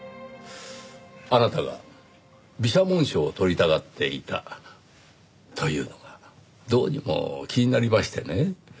あなたが美写紋賞を取りたがっていたというのがどうにも気になりましてね。